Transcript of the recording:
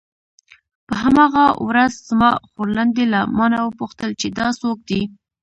په هماغه ورځ زما خورلنډې له مانه وپوښتل چې دا څوک دی.